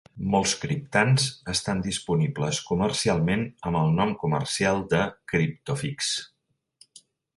Molts criptands estan disponibles comercialment amb el nom comercial de Kryptofix.